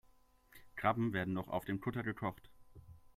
Krabben werden noch auf dem Kutter gekocht.